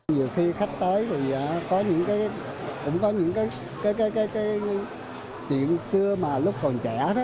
nhiều khi khách tới thì cũng có những cái chuyện xưa mà lúc còn trẻ